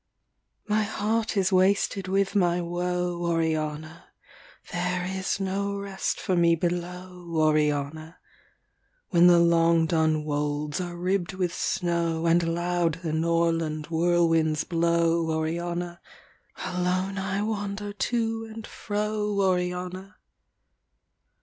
77. My heart is wasted with my woe, Oriana. There is no rest for me below, Oriana. When the long dun wolds are ribb'd with snow, And loud the Norland whirlwinds blow, Oriana, Alone I wander to and fro, Oriana.